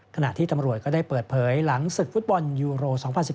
ขณะที่ตำรวจก็ได้เปิดเผยหลังศึกฟุตบอลยูโร๒๐๑๙